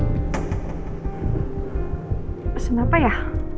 pesen apa ya